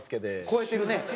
超えてるね。